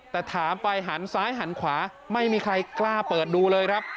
แต่ถามไปหันซ้ายหันขวาไม่มีใครกล้าเปิดดูเลยครับ